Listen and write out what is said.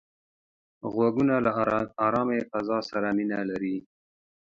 غوږونه له آرامې فضا سره مینه لري